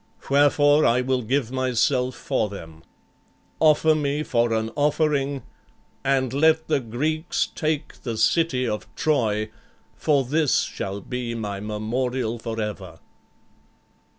Wherefore I will give myself for them. Offer me for an offering, and let the Greeks take the city of Troy, for this shall be my memorial forever."